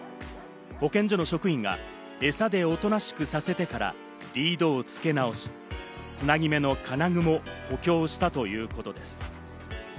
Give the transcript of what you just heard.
保健所の職員が餌でおとなしくさせてからリードを付け直し、つなぎ目の金具も補強したということです。